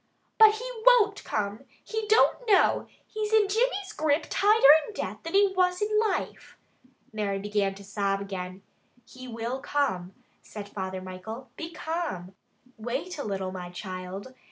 "But he won't come! He don't know! He's in Jimmy's grip tighter in death than he was in life." Mary began to sob again. "He will come," said Father Michael. "Be calm! Wait a little, my child.